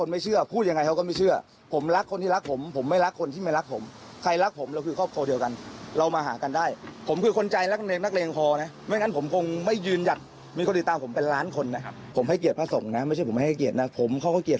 ไม่ให้เกลียดนะผมเขาก็เกลียดเสมอ